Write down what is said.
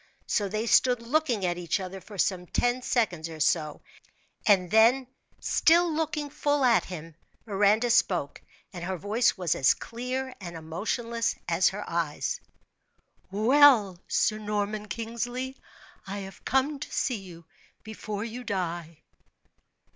So they stood looking at each other for some ten seconds or so, and then, still looking full at him, Miranda spoke, and her voice was as clear and emotionless as her eyes, "Well, Sir Norman Kingsley, I have come to see you before you die."